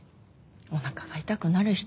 おなかが痛くなる人